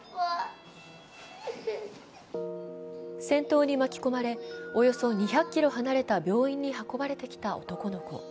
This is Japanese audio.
戦闘に巻き込まれ、およそ２００ｋｍ離れた病院に運ばれてきた男の子。